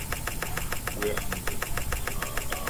왜 안돼?